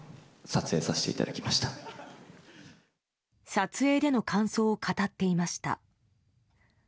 撮影での感想を語っていました。